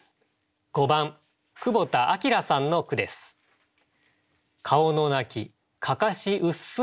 ５番久保田聡さんの句です。